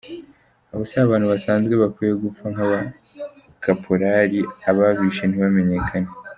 “Abo si abantu basanzwe bakwiye gupfa nk’abakapolari ababishe ntibamenyekane.